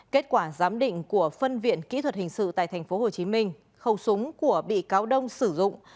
kết quả giám định của phân viện kỹ thuật hình sự tại tp hcm khẩu súng của bị cáo đông sử dụng